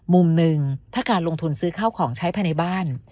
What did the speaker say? มุมหนึ่งถ้าการลงทุนซื้อข้าวของใช้ภายในบ้าน